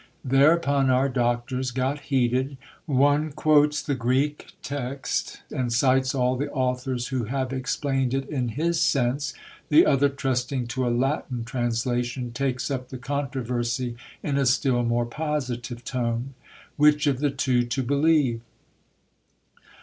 Thereupon our doctors got heated. One quotes the Greek text, and cites all the authors who have explained it in his sense ; the other, trusting to a Latin translation, takes up the controversy in a still more positive tone. Which of the two to believe